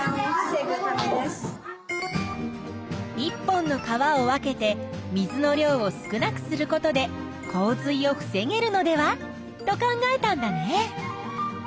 １本の川を分けて水の量を少なくすることで洪水を防げるのではと考えたんだね。